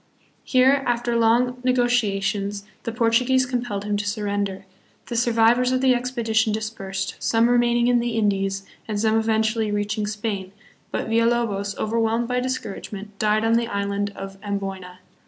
Here, after long negotiations, the Portuguese compelled him to surrender. The survivors of the expedition dispersed, some remain ing in the Indies, and some eventually reaching Spain; but Villalobos, overwhelmed by discouragement, died on the island of Amboyna.